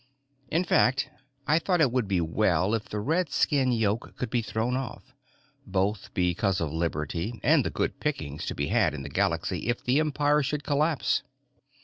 In fact, I thought it would be well if the redskin yoke could be thrown off, both because of liberty and the good pickings to be had in the Galaxy if the Empire should collapse.